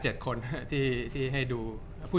จากความไม่เข้าจันทร์ของผู้ใหญ่ของพ่อกับแม่